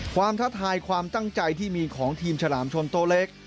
ท้าทายความตั้งใจที่มีของทีมฉลามชนโตเล็ก